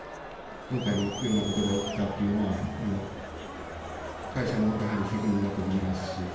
今回のようなことが起きたというのは、もう会社のやはり責任だと思いますし。